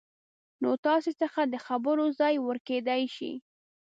نو تاسې څخه د خبرو ځای ورکېدای شي